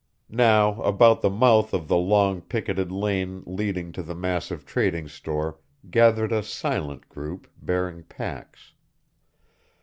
Now about the mouth of the long picketed lane leading to the massive trading store gathered a silent group, bearing packs.